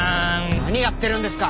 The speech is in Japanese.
何やってるんですか！